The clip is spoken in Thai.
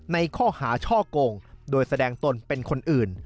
ในข้อหาช่อกงโดยแสดงตนเป็นคนอื่น